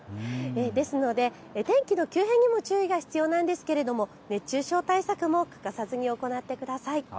ですので天気の急変にも注意が必要なんですが熱中症対策も欠かさずに行ってください。